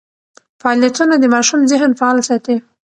فعالیتونه د ماشوم ذهن فعال ساتي.